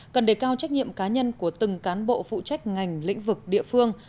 cần đề cao trách nhiệm cá nhân của từng cán bộ phụ trách ngành lĩnh vực địa phương